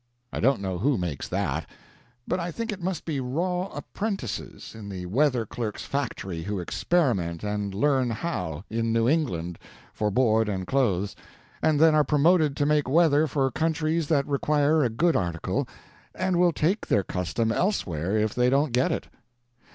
I don't know who makes that, but I think it must be raw apprentices in the weather clerk's factory who experiment and learn how, in New England, for board and clothes, and then are promoted to make weather for countries that require a good article, and will take their custom elsewhere if they don't get it.